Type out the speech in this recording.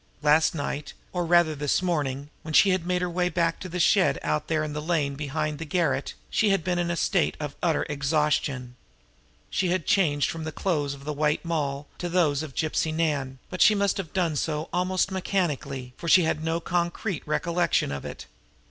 Last night, or rather this morning, when she had made her way back to the shed out there in the lane behind the garret, she had been in a state of almost utter exhaustion. She had changed from the clothes of the White Moll to those of Gypsy Nan, but she must have done so almost mechanically for she had no concrete recollection of it.